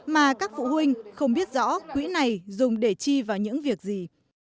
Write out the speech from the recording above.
mà các phụ huynh không biết rõ quỹ này dùng để chi vào những việc gì